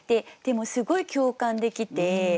でもすごい共感できて。